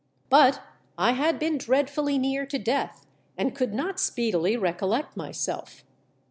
But I had been dreadfully near to death, and could not speedily recollect myself.